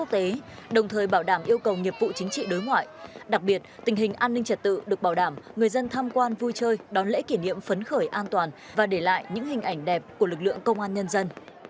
để bảo đảm an ninh trật tự được bảo đảm người dân tham quan vui chơi đón lễ kỷ niệm phấn khởi an toàn và để lại những hình ảnh đẹp của lực lượng công an nhân dân